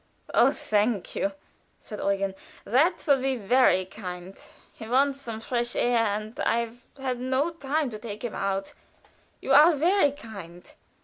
"Oh, thank you," said Eugen; "that will be very kind. He wants some fresh air, and I've had no time to take him out. You are very kind."